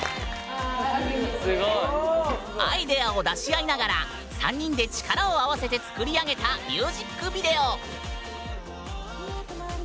アイデアを出し合いながら３人で力を合わせて作り上げたミュージックビデオ。